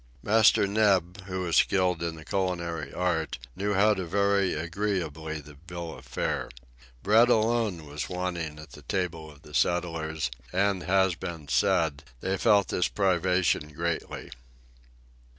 Master Neb, who was skilled in the culinary art, knew how to vary agreeably the bill of fare. Bread alone was wanting at the table of the settlers, and as has been said, they felt this privation greatly.